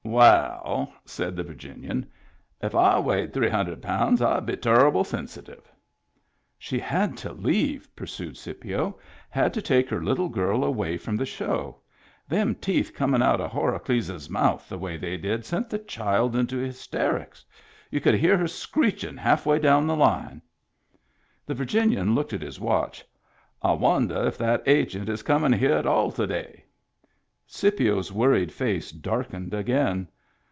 " Well," said the Virginian, " if I weighed three hundred pounds I'd be turrable sensitive." " She had to leave," pursued Scipio. " Had to take her little girl away from the show. Them teeth comin' out of Horacles'es mouth the way they did sent the child into hysterics. Y'u could hear her screechin' half way down the line." The Virginian looked at his watch. " I wonder if that Agent is coming here at all to day?" Scipio's worried face darkened again.